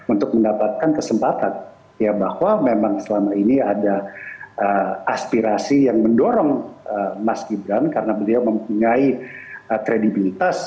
untuk mendapatkan kesempatan ya bahwa memang selama ini ada aspirasi yang mendorong mas gibran karena beliau mempunyai kredibilitas